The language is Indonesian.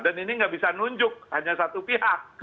dan ini nggak bisa nunjuk hanya satu pihak